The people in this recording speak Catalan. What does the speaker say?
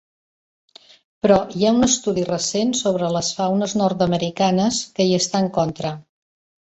Però hi ha un estudi recent sobre les faunes nord-americanes que hi està en contra.